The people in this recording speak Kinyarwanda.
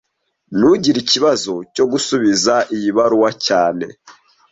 Ntugire ikibazo cyo gusubiza iyi baruwa cyane